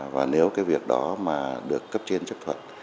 và nếu cái việc đó mà được cấp trên chấp thuận